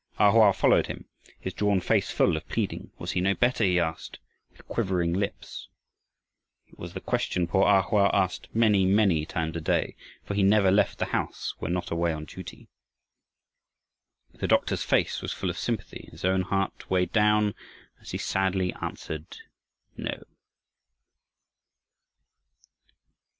A Hoa followed him, his drawn face full of pleading. Was he no better? he asked with quivering lips. It was the question poor A Hoa asked many, many times a day, for he never left the house when not away on duty. The doctor's face was full of sympathy and his own heart weighed down as he sadly answered, "No."